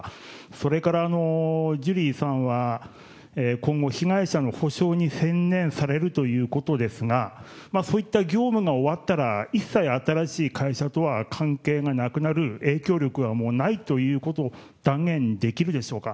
それから、ジュリーさんは、今後、被害者の補償に専念されるということですが、そういった業務が終わったら、一切新しい会社とは関係がなくなる、影響力がもうないということを断言できるでしょうか。